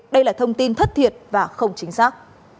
về thông tin thất thiệt và không chính xác